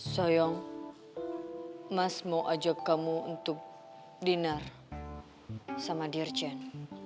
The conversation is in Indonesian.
soyong mas mau ajak kamu untuk dinner sama dirjen